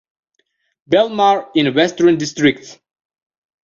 Belmar in Western District.